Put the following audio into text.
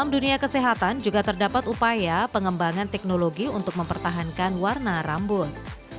dan juga mengembangkan teknologi untuk mempertahankan warna rambut